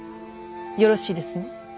よろしいですね